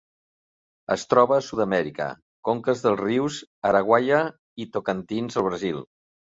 Es troba a Sud-amèrica: conques dels rius Araguaia i Tocantins al Brasil.